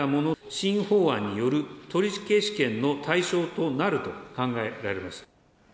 新法案による取消権の対象となると考えられます。